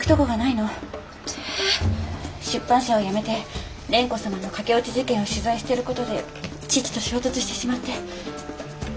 出版社を辞めて蓮子様の駆け落ち事件を取材してる事で父と衝突してしまって。